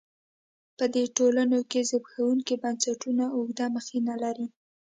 په دې ټولنو کې زبېښونکي بنسټونه اوږده مخینه لري.